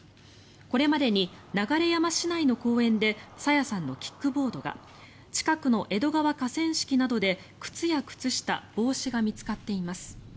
これまでに流山市内の公園で朝芽さんのキックボードが近くの江戸川河川敷などで靴や靴下、帽子が見つかっています。